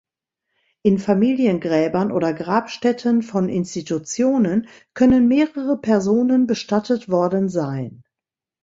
In Familiengräbern oder Grabstätten von Institutionen können mehrere Personen bestattet worden sein.